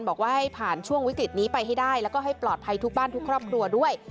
บอกว่าให้ผ่านช่วงวิกฤตนี้ไปให้ได้แล้วก็ให้ปลอดภัยทุกบ้านทุกครอบครัวด้วย